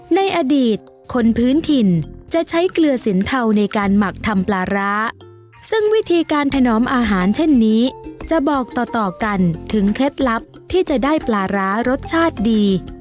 ในอดีตคนพื้นถิ่นจะใช้เกลือสินเทาในการหมักทำปลาร้าซึ่งวิธีการถนอมอาหารเช่นนี้จะบอกต่อต่อกันถึงเคล็ดลับที่จะได้ปลาร้ารสชาติดี